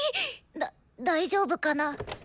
だ大丈夫かな。